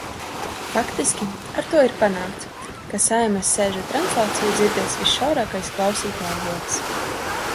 Faktiski ar to ir panākts, ka Saeimas sēžu translāciju dzirdēs visšaurākais klausītāju loks.